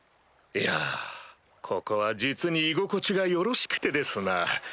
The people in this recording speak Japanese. いやここは実に居心地がよろしくてですな。